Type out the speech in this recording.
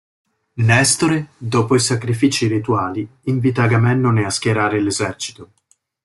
Nestore, dopo i sacrifici rituali, invita Agamennone a schierare l'esercito.